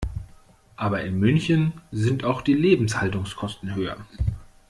Aber in München sind auch die Lebenshaltungskosten höher.